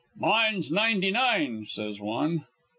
"'Mine's ninety nine,' says one.